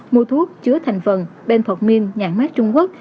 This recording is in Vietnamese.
mua thuốc chứa thành phần benphortmin nhạc mát trung quốc